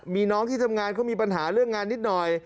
มีน้องที่ทำงานเขามีปัญหาเรื่องงานนิดหน่อย